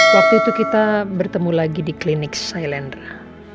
waktu itu kita bertemu lagi di klinik sailendra